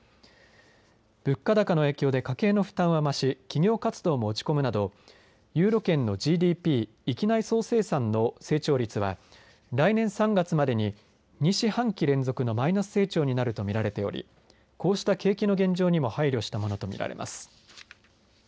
物価高の影響で家計の負担は増し企業活動も落ち込むなどユーロ圏のＧＤＰ域内総生産の成長率は来年３月までに２四半期連続のマイナス成長になると見られておりこうした景気の現状にも配慮したと見られます。